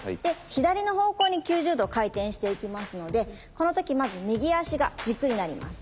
左の方向に９０度回転していきますのでこの時まず右足が軸になります。